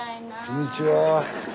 ・こんにちは。